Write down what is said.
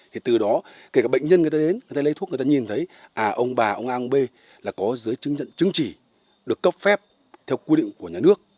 thì từ đó kể cả bệnh nhân người ta đến người ta lấy thuốc người ta nhìn thấy à ông bà ông a ông b là có dưới chứng chỉ được cấp phép theo quy định của nhà nước